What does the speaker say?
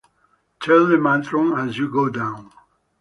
Tell the matron as you go down.